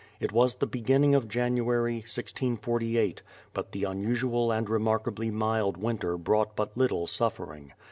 It was the beginning of January, 1648, but the unusual and remarkably mild winter brought but little suffering.